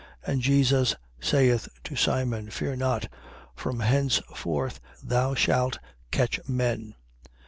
And Jesus saith to Simon: Fear not: from henceforth thou shalt catch men.